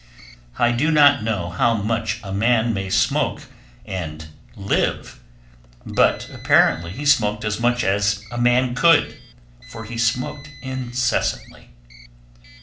I do not know how much a man may smoke and live, but apparently he smoked as much as a man could, for he smoked incessantly.